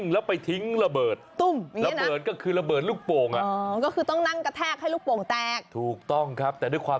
แล้วอะไรแตกป้าวแตกฮ่า